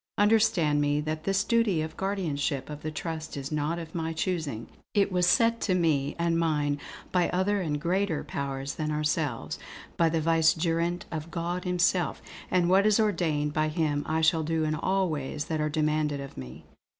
Understand me that this duty of guardianship of the trust is not of my choosing. It was set to me and mine by other and greater powers than ourselves, by the Vicegerent of God Himself; and what is ordained by him I shall do in all ways that are demanded of me."